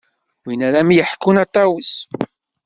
Wi ara am-yeḥkun a Ṭawes.